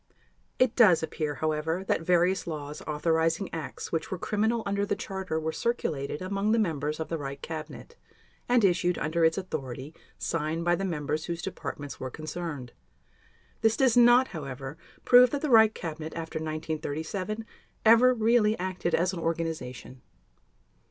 It does appear, however, that various laws authorizing acts which were criminal under the Charter were circulated among the members of the Reich Cabinet and issued under its authority signed by the members whose departments were concerned. This does not, however, prove that the Reich Cabinet, after 1937, ever really acted as an organization.